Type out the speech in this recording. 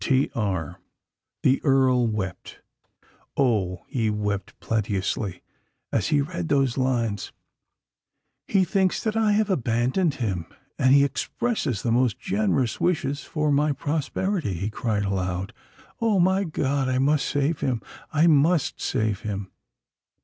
"T. R." The Earl wept—Oh! he wept plenteously, as he read those lines. "He thinks that I have abandoned him—and he expresses the most generous wishes for my prosperity!" he cried aloud. "Oh! my God—I must save him—I must save him!"